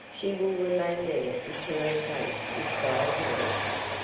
She will remain there until her case is diagnosed.